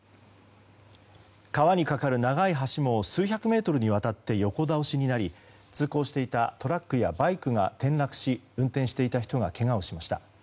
川に架かる長い橋も数百メートルにわたって横倒しになり通行していたトラックやバイクが転落し運転していた人がけがをしました。